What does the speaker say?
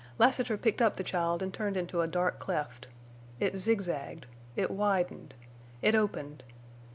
Lassiter picked up the child and turned into a dark cleft. It zigzagged. It widened. It opened.